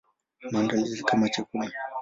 Maandalizi kama chakula.